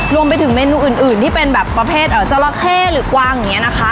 รวมไปถึงเมนูอื่นอื่นที่เป็นแบบประเภทเอ่อเจ้าละเข้หรือกว้างอย่างเงี้ยนะคะ